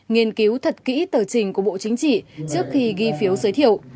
nghiên cứu thật kỹ tờ trình của bộ chính trị trước khi ghi phiếu giới thiệu